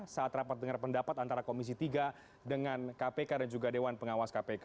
saat rapat dengar pendapat antara komisi tiga dengan kpk dan juga dewan pengawas kpk